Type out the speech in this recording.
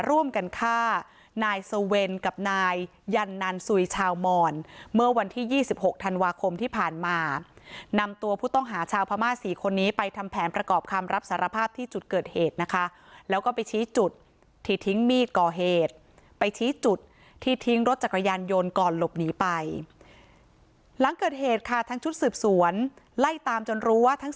ร่วมกันฆ่านายสเวนกับนายยันนันสุยชาวมอนเมื่อวันที่๒๖ธันวาคมที่ผ่านมานำตัวผู้ต้องหาชาวพม่าสี่คนนี้ไปทำแผนประกอบคำรับสารภาพที่จุดเกิดเหตุนะคะแล้วก็ไปชี้จุดที่ทิ้งมีดก่อเหตุไปชี้จุดที่ทิ้งรถจักรยานยนต์ก่อนหลบหนีไปหลังเกิดเหตุค่ะทั้งชุดสืบสวนไล่ตามจนรู้ว่าทั้ง